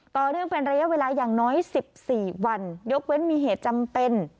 ต่อเนื่องเป็นระยะเวลาอย่างน้อย๑๔วันยกเว้นมีเหตุจำเป็น